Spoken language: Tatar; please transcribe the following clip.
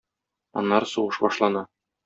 Аннары сугыш башлана.